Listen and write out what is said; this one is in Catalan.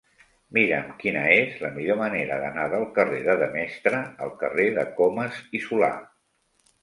Mira'm quina és la millor manera d'anar del carrer de Demestre al carrer de Comas i Solà.